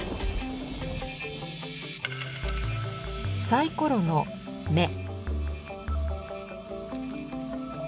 サイコロの目。